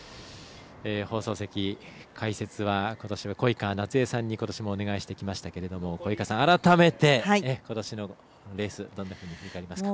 放送席、解説は鯉川なつえさんにことしもお願いしてきましたけど改めて、ことしのレースどんなふうに見られましたか。